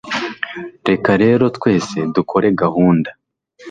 reka rero twese dukore gahunda